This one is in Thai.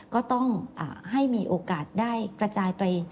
ก็ต้องให้มีโอกาสได้กระจายไป